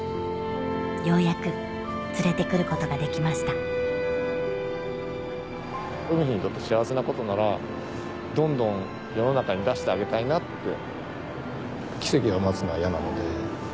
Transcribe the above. ようやく連れて来ることができました海陽にとって幸せなことならどんどん世の中に出してあげたいなって。